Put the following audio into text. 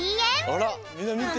あらみんなみて！